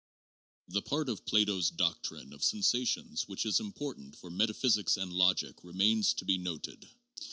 The part of Plato 's doctrine of sensations which is important for metaphysics and logic remains to be noted.